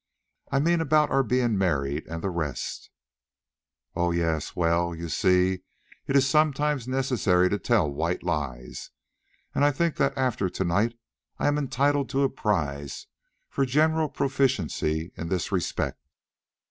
"I mean about our being married and the rest." "Oh! yes. Well, you see it is sometimes necessary to tell white lies, and I think that after to night I am entitled to a prize for general proficiency in this respect.